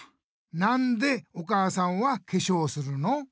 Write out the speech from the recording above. なんでお母さんはけしょうをするの？